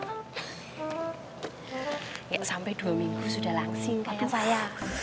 nggak sampai dua minggu sudah langsing kayak saya